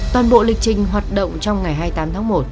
toàn bộ lịch trình hoạt động trong ngày hai mươi tám tháng một